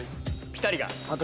ピタリが！